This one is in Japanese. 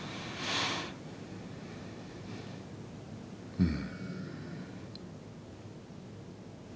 うん。